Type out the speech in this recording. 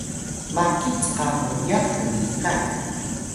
maki cka muyax nniqan